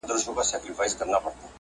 لس کلونه یې تر مرګه بندیوان وو-